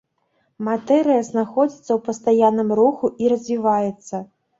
Матэрыя знаходзіцца ў пастаянным руху і развіваецца.